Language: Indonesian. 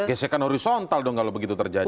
gesekan horizontal dong kalau begitu terjadi